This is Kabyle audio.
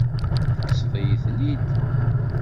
Tekkseḍ-iyi-ten-id.